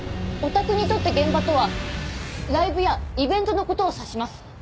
オタクにとって「現場」とはライブやイベントの事を指します。